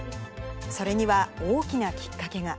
それには大きなきっかけが。